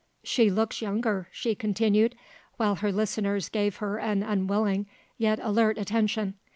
"She looks younger," she continued, while her listeners gave her an unwilling yet alert attention.